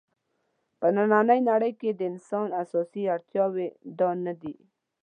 په نننۍ نړۍ کې د انسان اساسي اړتیاوې دا نه دي.